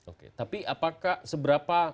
oke tapi apakah seberapa